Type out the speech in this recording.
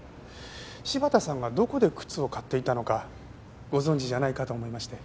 柴田さんがどこで靴を買っていたのかご存じじゃないかと思いまして。